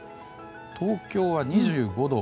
東京は２５度。